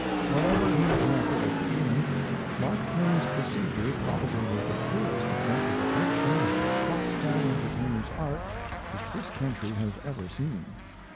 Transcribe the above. Whatever his method of beginning, Mark Twain's procedure probably was the purest exemplification of the platform entertainer's art which this country has ever seen.